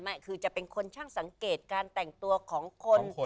ไม่คือจะเป็นคนช่างสังเกตการแต่งตัวของคน